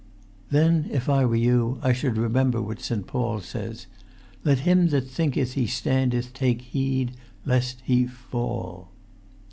"Then, if I were you, I should remember what St. Paul says—'Let him that thinketh he standeth take heed—lest—he—fall.'"